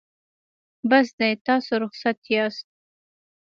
بس دی تاسو رخصت یاست.